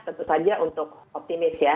tentu saja untuk optimis ya